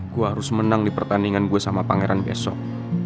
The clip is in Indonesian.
gua harus menang di pertandingan gua sama pangeran besok